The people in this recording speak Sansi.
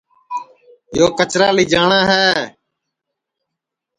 یو کچرا لیجاٹؔا ہے